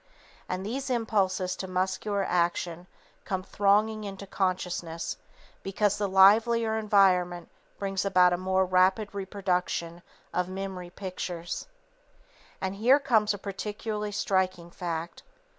_ And these impulses to muscular action come thronging into consciousness because the livelier environment brings about a more rapid reproduction of memory pictures. And here comes a particularly striking fact.